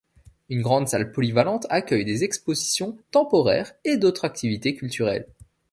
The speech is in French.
Une grande salle polyvalente accueille des expositions temporaires et d'autres activités culturelles.